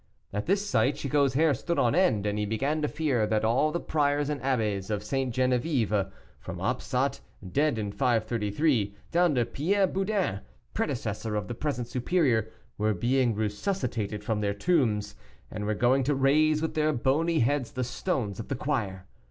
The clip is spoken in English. At this sight Chicot's hair stood on end, and he began to fear that all the priors and abbés of St. Geneviève, from Opsat, dead in 533, down to Pierre Boudin, predecessor of the present superior, were being resuscitated from their tombs, and were going to raise with their bony heads the stones of the choir.